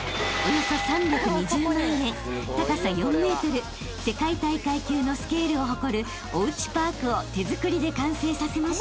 ［高さ４ｍ世界大会級のスケールを誇るおうちパークを手作りで完成させました］